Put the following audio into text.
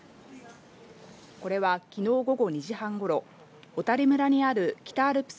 これは昨日午後２時半頃、小谷村にある北アルプス